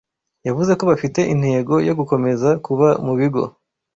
yavuze ko bafite intego yo gukomeza kuba mu bigo